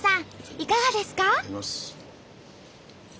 いかがですか？